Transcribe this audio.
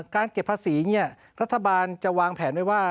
การเก็บภาษีรัฐบาลจะวางแผนไว้ว่า